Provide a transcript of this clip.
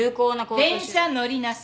電車乗りなさい。